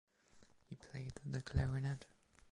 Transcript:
He played the clarinet.